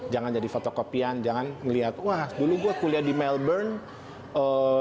jangan jadi fotokopian jangan melihat wah dulu gue kuliah di melbourne